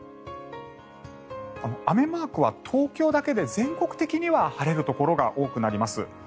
雨マークは東京だけで全国的には晴れるところが多くなります。